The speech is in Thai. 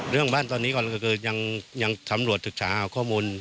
เรื่องบ้านตอนนี้ก่อนก็คือยังสำรวจศึกษาหาข้อมูล